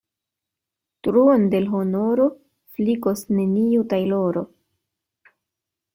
Truon de l' honoro flikos neniu tajloro.